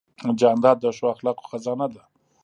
جانداد د ښو اخلاقو خزانه ده.